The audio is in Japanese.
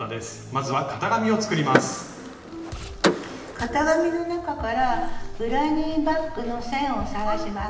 型紙の中からグラニーバッグの線を探します。